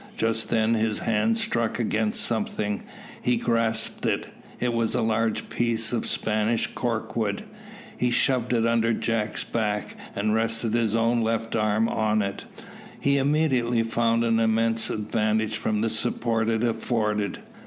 Just then his hand struck against something. He grasped it. It was a large piece of Spanish cork wood. He shoved it under Jack's back, and rested his own left arm on it. He immediately found an immense advantage from the support it afforded.